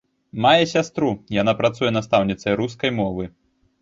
Мае сястру, яна працуе настаўніцай рускай мовы.